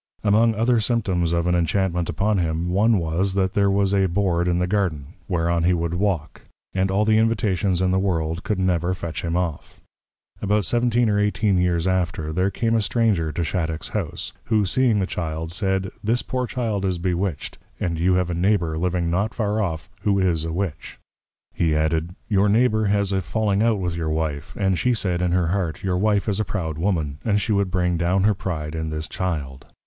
Among other Symptoms of an Inchantment upon him, one was, That there was a Board in the Garden, whereon he would walk; and all the Invitations in the World could never fetch him off. About 17 or 18 years after, there came a Stranger to Shattock's House, who seeing the Child, said, This poor Child is Bewitched; and you have a Neighbour living not far off, who is a Witch. He added, _Your Neighbour has had a falling out with your Wife; and she said, in her Heart, your Wife is a proud Woman, and she would bring down her Pride in this Child.